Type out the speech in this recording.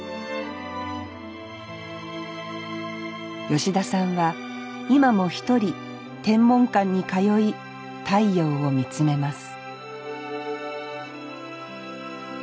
吉田さんは今も１人天文館に通い太陽を見つめます